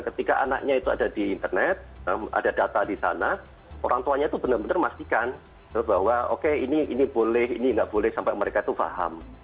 ketika anaknya itu ada di internet ada data di sana orang tuanya itu benar benar memastikan bahwa oke ini boleh ini nggak boleh sampai mereka itu paham